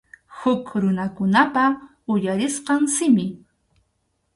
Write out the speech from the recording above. Huk runakunapa uyarisqan simi.